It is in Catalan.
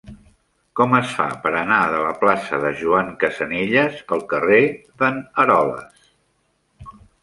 Com es fa per anar de la plaça de Joan Casanelles al carrer de n'Aroles?